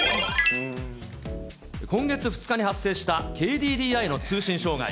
今月２日に発生したＫＤＤＩの通信障害。